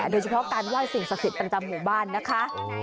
โดยเฉพาะการไหว้สิ่งศักดิ์สิทธิ์ประจำหมู่บ้านนะคะ